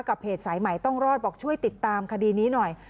เพจสายใหม่ต้องรอดบอกช่วยติดตามคดีนี้หน่อย